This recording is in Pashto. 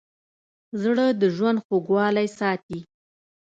زړه د ژوند خوږوالی ساتي.